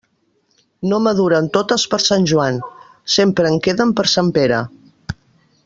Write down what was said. No maduren totes per Sant Joan; sempre en queden per Sant Pere.